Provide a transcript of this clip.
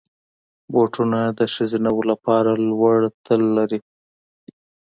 بوټونه د ښځینه وو لپاره لوړ تل لري.